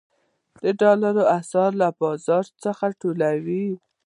ډالر د اسعارو له بازار څخه ټولوي.